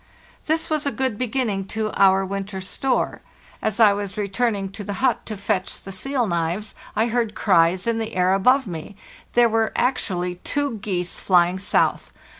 This was a good beginning to our winter store. As LAND AT LAST 393 I was returning to the hut to fetch the seal knives, I heard cries in the air above me. 'There were actually two geese flying south!